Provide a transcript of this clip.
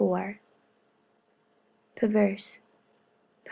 Perverse, Prov.